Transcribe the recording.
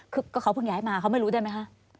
คือก็เขาเพิ่งย้ายมาเขาไม่รู้ได้ไหมคะ